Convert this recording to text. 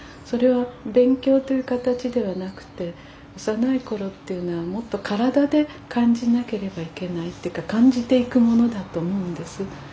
それは勉強という形ではなくて幼い頃っていうのはもっと体で感じなければいけないというか感じていくものだと思うんです。